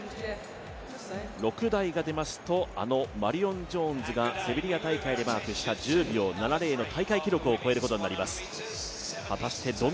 ６台が出ますと、あのマリオン・ジョーンズがセルビア大会でマークした１０秒７６のタイムを大会記録になります。